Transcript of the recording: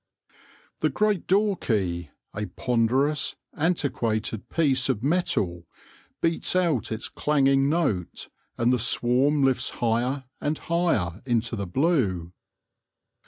The gieat door key, a ponderous, antiquated piece of metal, beats out its clanging note, and the swarm lifts higher and higher into the blue.